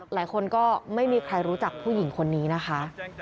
หลายคนก็ไม่มีใครรู้จักผู้หญิงคนนี้นะคะ